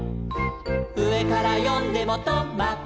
「うえからよんでもト・マ・ト」